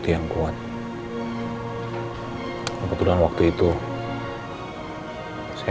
dia kamu bukan saidipu berburu obat obatanously